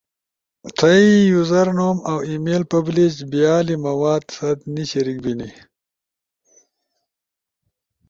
تھئی یوزر نوم اؤ ای میل پبلیش بیالی مواد ست نی شریک بینی۔